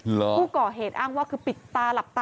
ผู้ก่อเหตุอ้างว่าคือปิดตาหลับตา